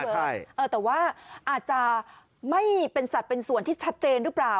ใช่เออแต่ว่าอาจจะไม่เป็นสัตว์เป็นส่วนที่ชัดเจนหรือเปล่า